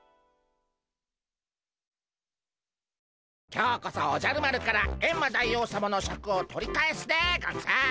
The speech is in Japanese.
今日こそおじゃる丸からエンマ大王さまのシャクを取り返すでゴンス！